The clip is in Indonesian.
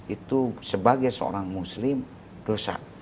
itu sebagai seorang muslim dosa